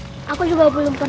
enak deh pokoknya